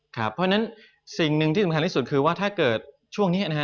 เพราะฉะนั้นสิ่งหนึ่งที่สำคัญที่สุดคือว่าถ้าเกิดช่วงนี้นะฮะ